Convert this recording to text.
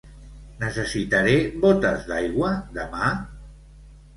Necessitaré botes d'aigua demà?